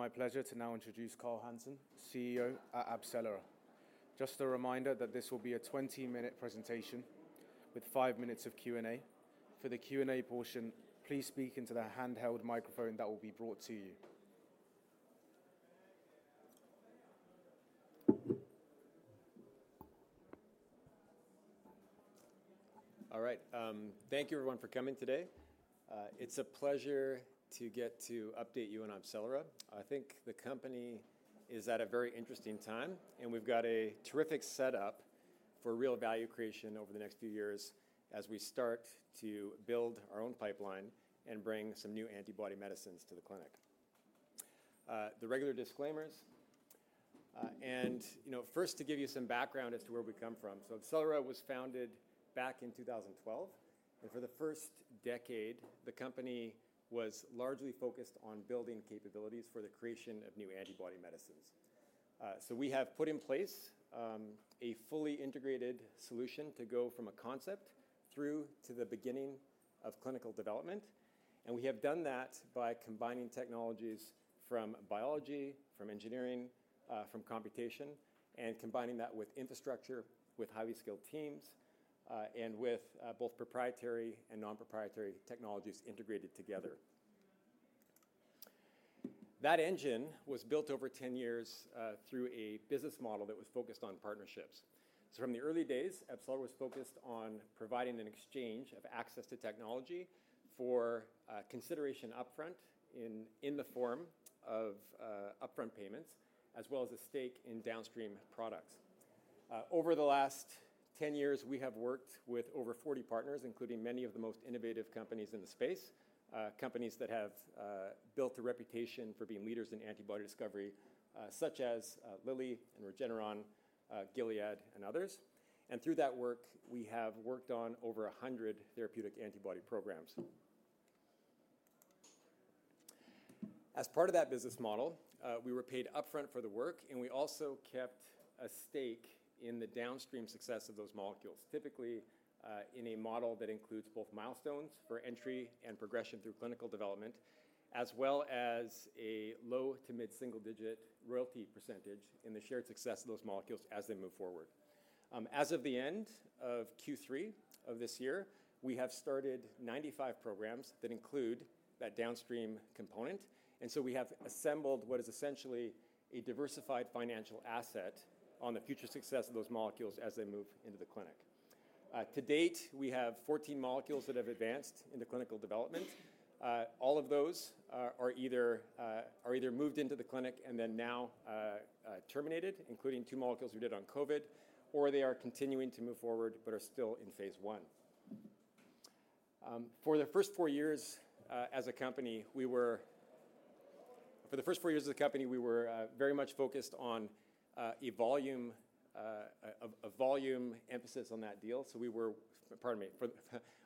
It is my pleasure to now introduce Carl Hansen, CEO at AbCellera. Just a reminder that this will be a 20-minute presentation with five minutes of Q&A. For the Q&A portion, please speak into the handheld microphone that will be brought to you. All right. Thank you, everyone, for coming today. It's a pleasure to get to update you on AbCellera. I think the company is at a very interesting time, and we've got a terrific setup for real value creation over the next few years as we start to build our own pipeline and bring some new antibody medicines to the clinic. The regular disclaimers. And first, to give you some background as to where we come from. So AbCellera was founded back in 2012. And for the first decade, the company was largely focused on building capabilities for the creation of new antibody medicines. So we have put in place a fully integrated solution to go from a concept through to the beginning of clinical development. And we have done that by combining technologies from biology, from engineering, from computation, and combining that with infrastructure, with highly skilled teams, and with both proprietary and non-proprietary technologies integrated together. That engine was built over 10 years through a business model that was focused on partnerships. So from the early days, AbCellera was focused on providing an exchange of access to technology for consideration upfront in the form of upfront payments, as well as a stake in downstream products. Over the last 10 years, we have worked with over 40 partners, including many of the most innovative companies in the space, companies that have built a reputation for being leaders in antibody discovery, such as Lilly and Regeneron, Gilead, and others. And through that work, we have worked on over 100 therapeutic antibody programs. As part of that business model, we were paid upfront for the work, and we also kept a stake in the downstream success of those molecules, typically in a model that includes both milestones for entry and progression through clinical development, as well as a low to mid-single-digit royalty percentage in the shared success of those molecules as they move forward. As of the end of Q3 of this year, we have started 95 programs that include that downstream component. And so we have assembled what is essentially a diversified financial asset on the future success of those molecules as they move into the clinic. To date, we have 14 molecules that have advanced in the clinical development. All of those are either moved into the clinic and then now terminated, including two molecules we did on COVID, or they are continuing to move forward but are still in phase one. For the first four years as a company, we were very much focused on a volume emphasis on that deal. So we were, pardon me.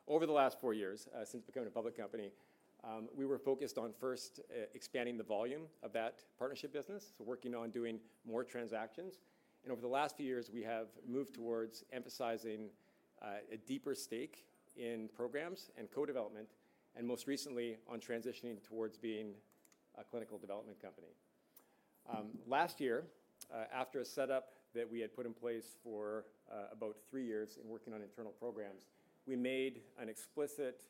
Over the last four years, since becoming a public company, we were focused on first expanding the volume of that partnership business, so working on doing more transactions. And over the last few years, we have moved towards emphasizing a deeper stake in programs and co-development, and most recently on transitioning towards being a clinical development company. Last year, after a setup that we had put in place for about three years and working on internal programs, we made an explicit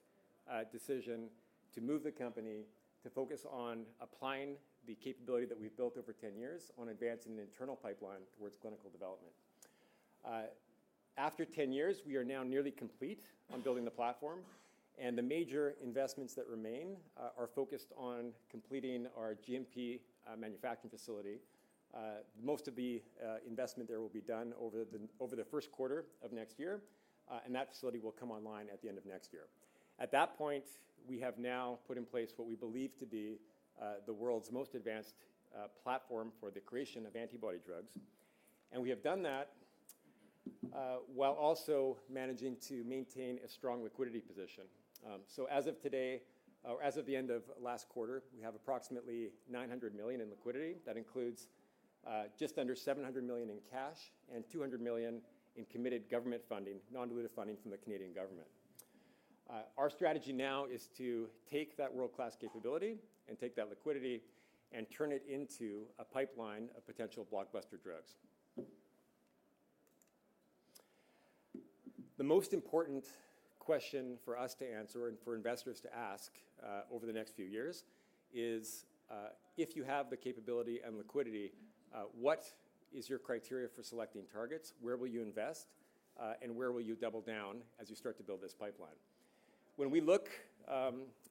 decision to move the company to focus on applying the capability that we've built over 10 years on advancing an internal pipeline towards clinical development. After 10 years, we are now nearly complete on building the platform. The major investments that remain are focused on completing our GMP manufacturing facility. Most of the investment there will be done over the first quarter of next year, and that facility will come online at the end of next year. At that point, we have now put in place what we believe to be the world's most advanced platform for the creation of antibody drugs. We have done that while also managing to maintain a strong liquidity position. As of today, or as of the end of last quarter, we have approximately $900 million in liquidity. That includes just under $700 million in cash and $200 million in committed government funding, non-dilutive funding from the Canadian government. Our strategy now is to take that world-class capability and take that liquidity and turn it into a pipeline of potential blockbuster drugs. The most important question for us to answer and for investors to ask over the next few years is, if you have the capability and liquidity, what is your criteria for selecting targets? Where will you invest? And where will you double down as you start to build this pipeline? When we look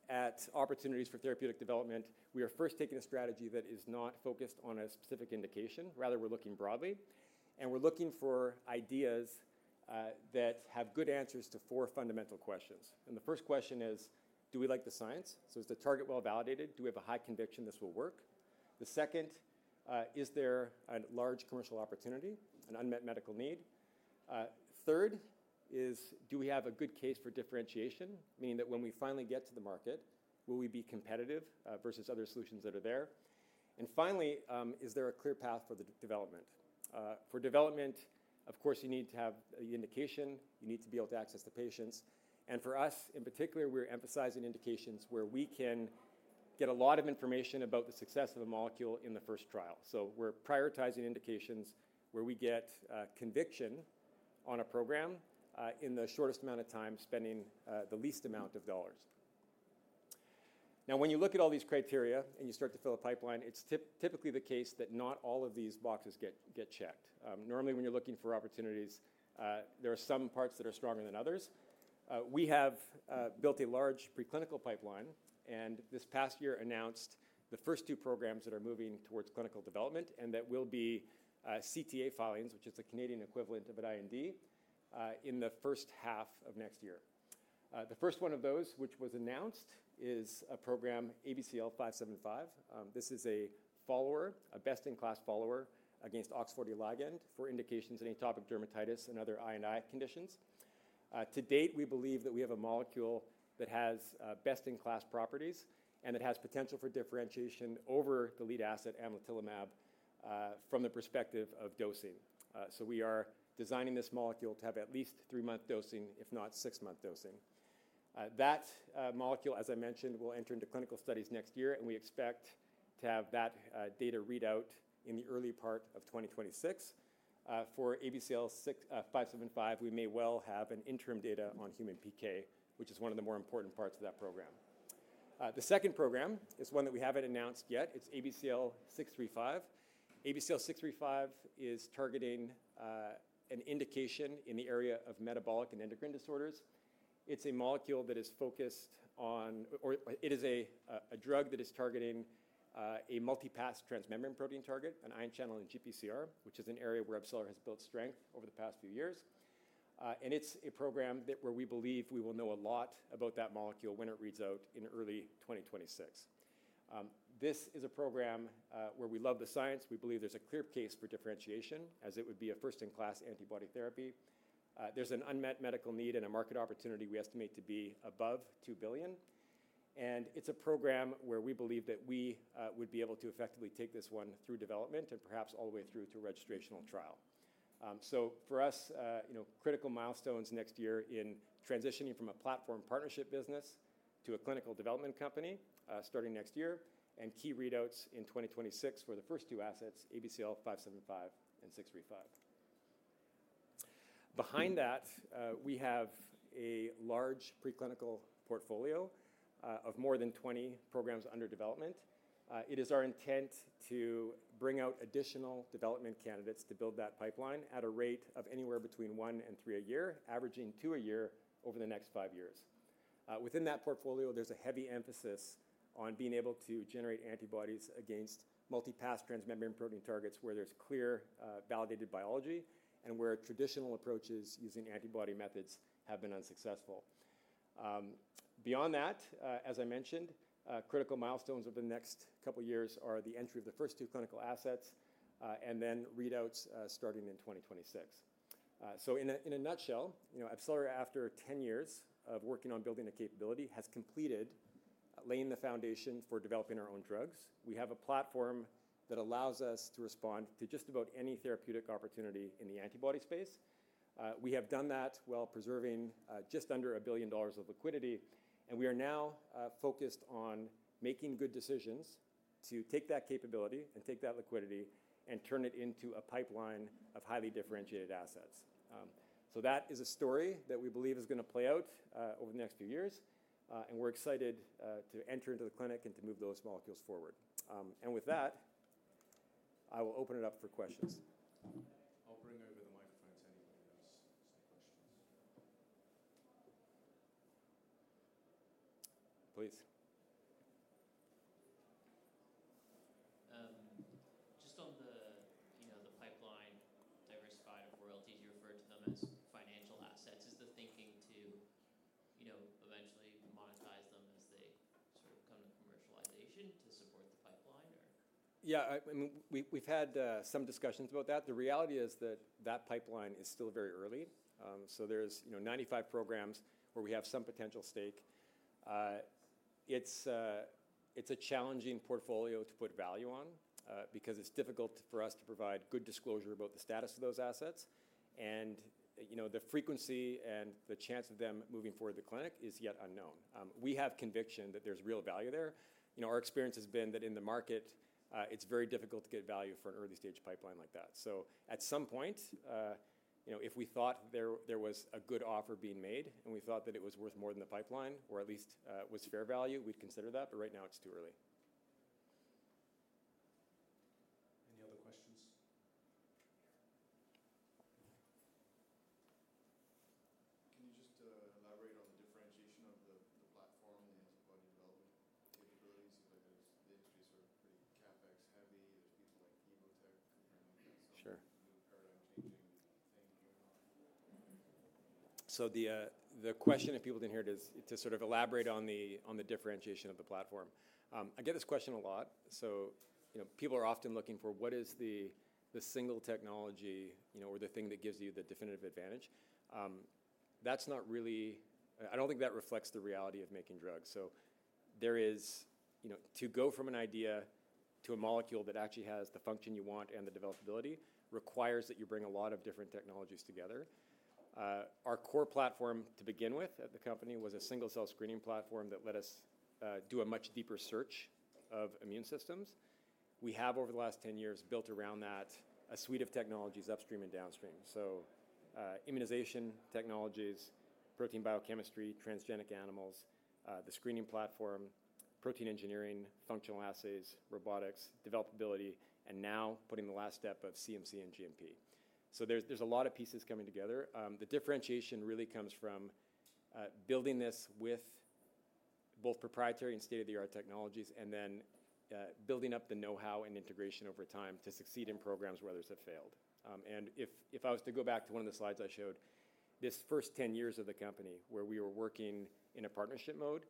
at opportunities for therapeutic development, we are first taking a strategy that is not focused on a specific indication. Rather, we're looking broadly. We're looking for ideas that have good answers to four fundamental questions. The first question is, do we like the science? Is the target well validated? Do we have a high conviction this will work? The second, is there a large commercial opportunity, an unmet medical need? Third is, do we have a good case for differentiation, meaning that when we finally get to the market, will we be competitive versus other solutions that are there? Finally, is there a clear path for the development? For development, of course, you need to have the indication. You need to be able to access the patients. For us, in particular, we're emphasizing indications where we can get a lot of information about the success of a molecule in the first trial. So we're prioritizing indications where we get conviction on a program in the shortest amount of time, spending the least amount of dollars. Now, when you look at all these criteria and you start to fill a pipeline, it's typically the case that not all of these boxes get checked. Normally, when you're looking for opportunities, there are some parts that are stronger than others. We have built a large preclinical pipeline, and this past year announced the first two programs that are moving towards clinical development and that will be CTA filings, which is the Canadian equivalent of an IND, in the first half of next year. The first one of those, which was announced, is a program, ABCL575. This is a follower, a best-in-class follower against OX40 ligand for indications in atopic dermatitis and other I&I conditions. To date, we believe that we have a molecule that has best-in-class properties and that has potential for differentiation over the lead asset, amlitelimab, from the perspective of dosing, so we are designing this molecule to have at least three-month dosing, if not six-month dosing. That molecule, as I mentioned, will enter into clinical studies next year, and we expect to have that data readout in the early part of 2026. For ABC575, we may well have an interim data on human PK, which is one of the more important parts of that program. The second program is one that we haven't announced yet. It's ABCL635. ABCL635 is targeting an indication in the area of metabolic and endocrine disorders. It's a molecule that is focused on, or it is a drug that is targeting a multi-pass transmembrane protein target, an ion channel or GPCR, which is an area where AbCellera has built strength over the past few years. And it's a program where we believe we will know a lot about that molecule when it reads out in early 2026. This is a program where we love the science. We believe there's a clear case for differentiation, as it would be a first-in-class antibody therapy. There's an unmet medical need and a market opportunity we estimate to be above $2 billion. And it's a program where we believe that we would be able to effectively take this one through development and perhaps all the way through to a registrational trial. For us, critical milestones next year in transitioning from a platform partnership business to a clinical development company starting next year and key readouts in 2026 for the first two assets, ABCL575 and ABCL635. Behind that, we have a large preclinical portfolio of more than 20 programs under development. It is our intent to bring out additional development candidates to build that pipeline at a rate of anywhere between one and three a year, averaging two a year over the next five years. Within that portfolio, there's a heavy emphasis on being able to generate antibodies against multi-pass transmembrane protein targets where there's clear validated biology and where traditional approaches using antibody methods have been unsuccessful. Beyond that, as I mentioned, critical milestones over the next couple of years are the entry of the first two clinical assets and then readouts starting in 2026. So in a nutshell, AbCellera, after 10 years of working on building a capability, has completed laying the foundation for developing our own drugs. We have a platform that allows us to respond to just about any therapeutic opportunity in the antibody space. We have done that while preserving just under $1 billion of liquidity. And we are now focused on making good decisions to take that capability and take that liquidity and turn it into a pipeline of highly differentiated assets. So that is a story that we believe is going to play out over the next few years. And we're excited to enter into the clinic and to move those molecules forward. And with that, I will open it up for questions. I'll bring over the microphones to anybody else who has any questions. Please. Just on the pipeline diversification of royalties, you referred to them as financial assets. Is the thinking to eventually monetize them as they sort of come to commercialization to support the pipeline or? Yeah. We've had some discussions about that. The reality is that that pipeline is still very early, so there's 95 programs where we have some potential stake. It's a challenging portfolio to put value on because it's difficult for us to provide good disclosure about the status of those assets, and the frequency and the chance of them moving forward to the clinic is yet unknown. We have conviction that there's real value there. Our experience has been that in the market, it's very difficult to get value for an early-stage pipeline like that. So at some point, if we thought there was a good offer being made and we thought that it was worth more than the pipeline or at least was fair value, we'd consider that, but right now, it's too early. Any other questions? Can you just elaborate on the differentiation of the platform and the antibody development capabilities? The industry is sort of pretty CapEx-heavy. There's people like Evotec, companies like that. So new paradigm-changing thing going on. So the question, if people didn't hear it, is to sort of elaborate on the differentiation of the platform. I get this question a lot. So people are often looking for what is the single technology or the thing that gives you the definitive advantage. That's not really, I don't think, that reflects the reality of making drugs. So there is to go from an idea to a molecule that actually has the function you want and the developability requires that you bring a lot of different technologies together. Our core platform to begin with at the company was a single-cell screening platform that let us do a much deeper search of immune systems. We have, over the last 10 years, built around that a suite of technologies upstream and downstream. So immunization technologies, protein biochemistry, transgenic animals, the screening platform, protein engineering, functional assays, robotics, developability, and now putting the last step of CMC and GMP. So there's a lot of pieces coming together. The differentiation really comes from building this with both proprietary and state-of-the-art technologies and then building up the know-how and integration over time to succeed in programs where others have failed. And if I was to go back to one of the slides I showed, this first 10 years of the company where we were working in a partnership mode,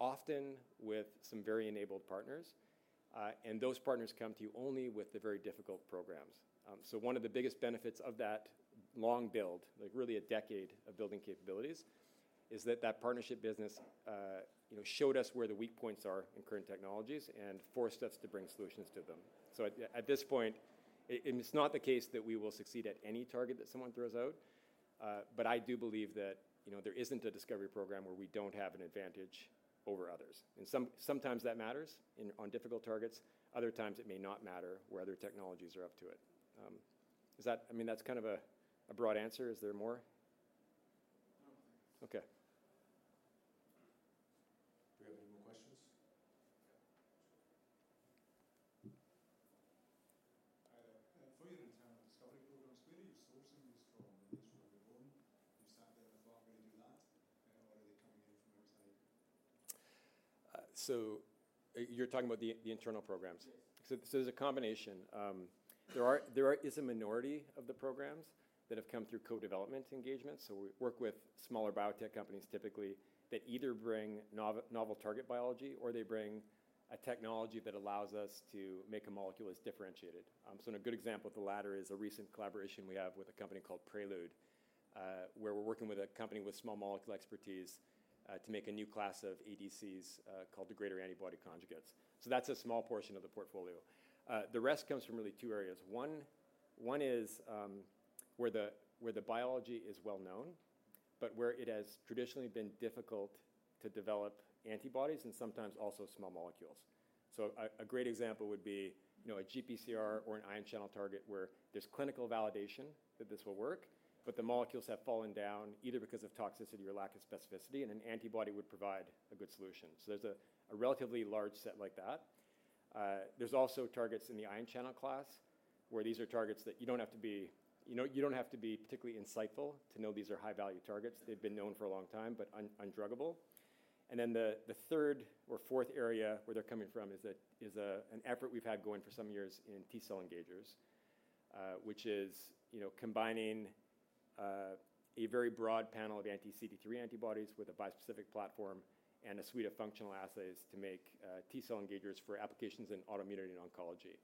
often with some very enabled partners, and those partners come to you only with the very difficult programs. So one of the biggest benefits of that long build, like really a decade of building capabilities, is that that partnership business showed us where the weak points are in current technologies and forced us to bring solutions to them. So at this point, it's not the case that we will succeed at any target that someone throws out. But I do believe that there isn't a discovery program where we don't have an advantage over others. And sometimes that matters on difficult targets. Other times, it may not matter where other technologies are up to it. I mean, that's kind of a broad answer. Is there more? No. Okay. Do we have any more questions? For your internal discovery programs, where are you sourcing this from? Are these from your own? Do you stand there and thought, "We're going to do that"? Or are they coming in from outside? So you're talking about the internal programs? Yes. There's a combination. There is a minority of the programs that have come through co-development engagements. We work with smaller biotech companies, typically, that either bring novel target biology or they bring a technology that allows us to make a molecule as differentiated. A good example of the latter is a recent collaboration we have with a company called Prelude where we're working with a company with small molecule expertise to make a new class of ADCs called degrader antibody conjugates. That's a small portion of the portfolio. The rest comes from really two areas. One is where the biology is well known, but where it has traditionally been difficult to develop antibodies and sometimes also small molecules. So a great example would be a GPCR or an ion channel target where there's clinical validation that this will work, but the molecules have fallen down either because of toxicity or lack of specificity, and an antibody would provide a good solution. So there's a relatively large set like that. There's also targets in the ion channel class where these are targets that you don't have to be particularly insightful to know these are high-value targets. They've been known for a long time, but undruggable. And then the third or fourth area where they're coming from is an effort we've had going for some years in T-cell engagers, which is combining a very broad panel of anti-CD3 antibodies with a bispecific platform and a suite of functional assays to make T-cell engagers for applications in autoimmunity and oncology.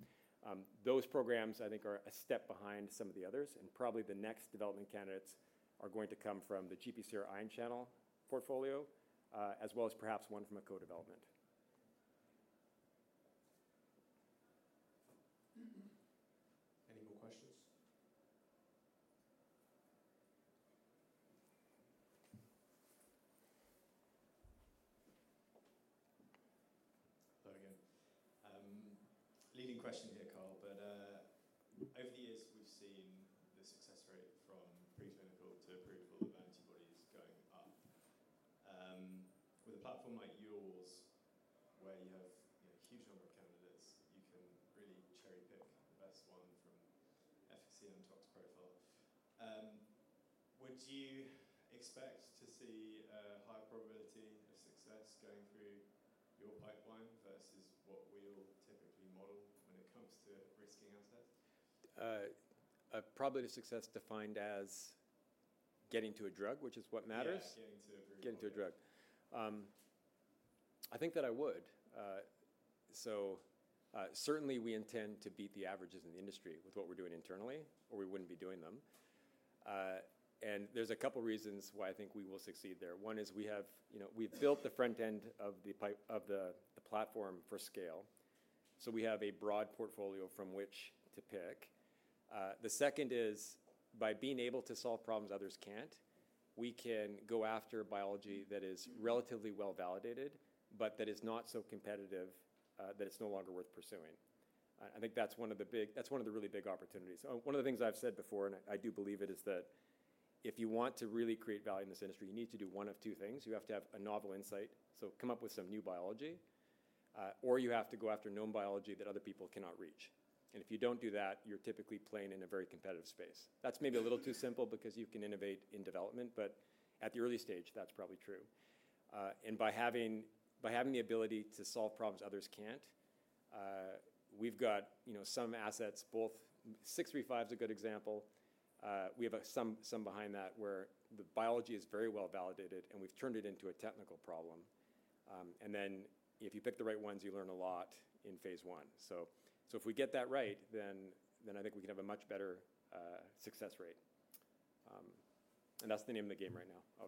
Those programs, I think, are a step behind some of the others, and probably the next development candidates are going to come from the GPCR ion channel portfolio, as well as perhaps one from a co-development. Any more questions? Hello again. Leading question here, Carl. But over the years, we've seen the success rate from preclinical to approval of antibodies going up. With a platform like yours, where you have a huge number of candidates, you can really cherry-pick the best one from efficacy and tox profile. Would you expect to see a higher probability of success going through your pipeline versus what we'll typically model when it comes to risking assets? Probably a success defined as getting to a drug, which is what matters. Getting to a drug. Getting to a drug, I think that I would. So certainly, we intend to beat the averages in the industry with what we're doing internally, or we wouldn't be doing them. And there's a couple of reasons why I think we will succeed there. One is we have built the front end of the platform for scale. So we have a broad portfolio from which to pick. The second is, by being able to solve problems others can't, we can go after biology that is relatively well validated, but that is not so competitive that it's no longer worth pursuing. I think that's one of the really big opportunities. One of the things I've said before, and I do believe it, is that if you want to really create value in this industry, you need to do one of two things. You have to have a novel insight. Come up with some new biology, or you have to go after known biology that other people cannot reach. And if you don't do that, you're typically playing in a very competitive space. That's maybe a little too simple because you can innovate in development. But at the early stage, that's probably true. And by having the ability to solve problems others can't, we've got some assets. Both 635 is a good example. We have some behind that where the biology is very well validated, and we've turned it into a technical problem. And then if you pick the right ones, you learn a lot in phase one. So if we get that right, then I think we can have a much better success rate. And that's the name of the game right now.